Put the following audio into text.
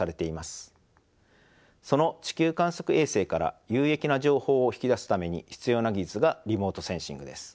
その地球観測衛星から有益な情報を引き出すために必要な技術がリモートセンシングです。